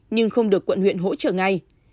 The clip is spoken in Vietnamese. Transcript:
nhưng không được quận huyện hỗ trợ ngay